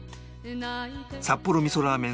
札幌味噌ラーメン